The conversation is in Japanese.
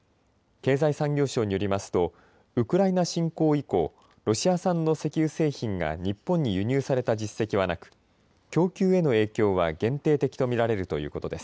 経済産業省によりますとウクライナ侵攻以降、ロシア産の石油製品が日本に輸入された実績はなく供給への影響は限定的と見られるということです。